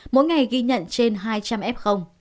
mỗi ngày ghi nhận trên hai trăm linh f